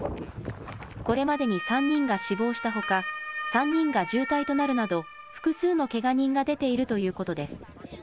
これまでに３人が死亡したほか、３人が重体となるなど、複数のけが人が出ているということです。